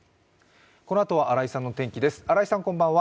このあとは新井さんのお天気です。